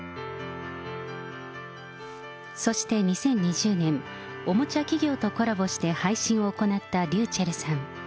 そして２０２０年、おもちゃ企業とコラボして配信を行ったｒｙｕｃｈｅｌｌさん。